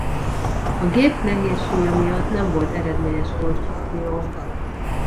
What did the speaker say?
A gép nehéz súlya miatt nem volt eredményes konstrukció.